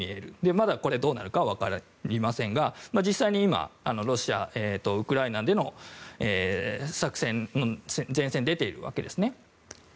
まだこれはどうなるか分かりませんが実際に今、ウクライナでの作戦の前線に出ているわけです。